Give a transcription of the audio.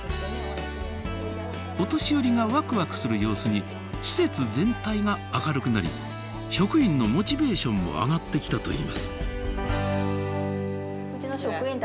お年寄りがワクワクする様子に施設全体が明るくなり職員のモチベーションも上がってきたといいます。